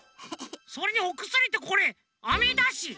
それにおくすりってこれアメだし。